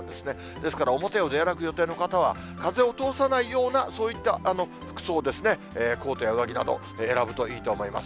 ですから、表を出歩く予定の方は、風を通さないような、そういった服装を、コートや上着など選ぶといいと思います。